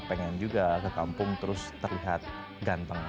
pengen juga ke kampung terus terlihat ganteng